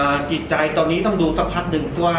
อบ๊วยจิตใจตอนนี้ต้องดูสัมพันธ์นึง